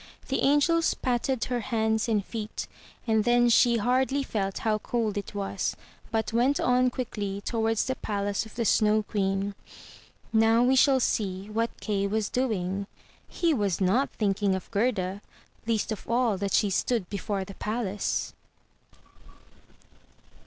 The angels patted her hands and feet; and then she hardly felt how cold it was, but went on quickly towards the palace of the Snow Queen. Now we shall see what Kay was doing. He was not think ing of Gerda, least of all that she stood before the palace.